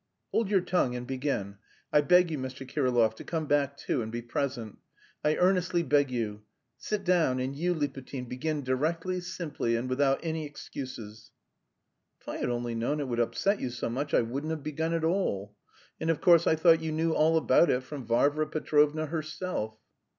"Hold your tongue and begin! I beg you, Mr. Kirillov, to come back too, and be present. I earnestly beg you! Sit down, and you, Liputin, begin directly, simply and without any excuses." "If I had only known it would upset you so much I wouldn't have begun at all. And of course I thought you knew all about it from Varvara Petrovna herself."